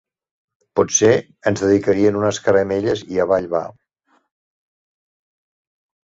Potser ens dedicarien unes caramelles i avall va.